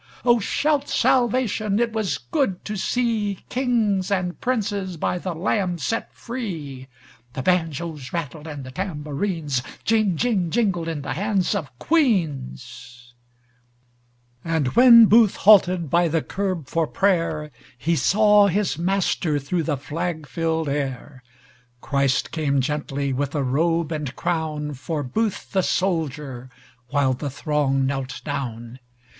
O, shout Salvation! It was good to seeKings and Princes by the Lamb set free. The banjos rattled and the tambourinesJing jing jingled in the hands of Queens.(Reverently sung, no instruments)And when Booth halted by the curb for prayerHe saw his Master thro' the flag filled air. Christ came gently with a robe and crownFor Booth the soldier, while the throng knelt down.